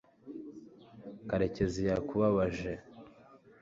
karekezi yakubabaje